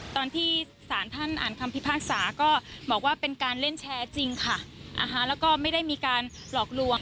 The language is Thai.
ตอนที่สารท่านอ่านคำพิพากษาก็บอกว่าเป็นการเล่นแชร์จริงค่ะแล้วก็ไม่ได้มีการหลอกลวง